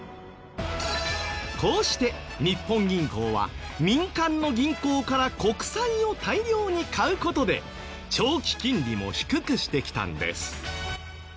こうして日本銀行は民間の銀行から国債を大量に買う事で長期金利も低くしてきたんです。